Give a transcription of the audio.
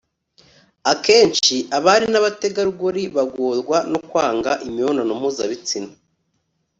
akenshi abari n'abategarugori bagorwa no kwanga imibonano mpuzabitsina